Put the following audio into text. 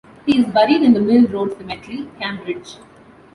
He is buried in the Mill Road cemetery, Cambridge.